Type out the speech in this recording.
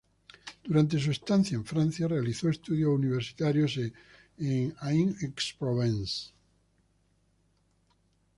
Durante su estancia en Francia realizó estudios universitarios en Aix-en-Provence.